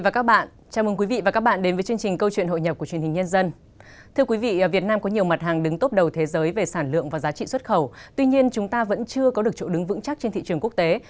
các bạn hãy đăng ký kênh để ủng hộ kênh của chúng mình nhé